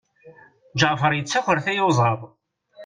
Ǧeɛfer yettaker tiyuẓaḍ.